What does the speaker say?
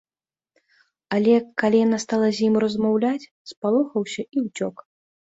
Але, калі яна стала з ім размаўляць, спалохаўся і ўцёк.